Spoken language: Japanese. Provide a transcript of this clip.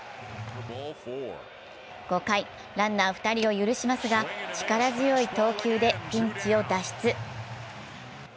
５回、ランナー２人を許しますが力強い投球でピンチを脱出。